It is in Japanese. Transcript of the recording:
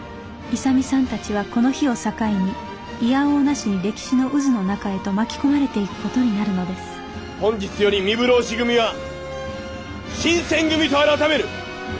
勇さんたちはこの日を境に否応なしに歴史の渦の中へと巻き込まれていく事になるのです本日より壬生浪士組は「新選組」と改める。